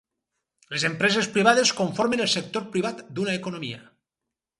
Les empreses privades conformen el sector privat d'una economia.